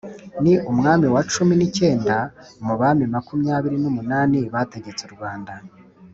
Ni umwami wa cumin a icyenda mu bami makumyabiri n’umunani bategetse u Rwanda